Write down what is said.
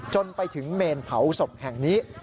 จนไปถึงเมนเผาศพแห่งนี้